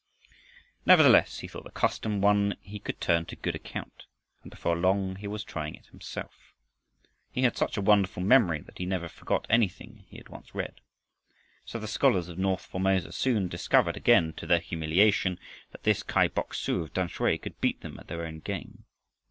Nevertheless he thought the custom one he could turn to good account, and before long he was trying it himself. He had such a wonderful memory that he never forgot anything he had once read. So the scholars of north Formosa soon discovered, again to their humiliation, that this Kai Bok su of Tamsui could beat them at their own game.